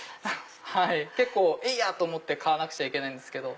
結構えいやっ！と思って買わなくちゃいけないんですけど。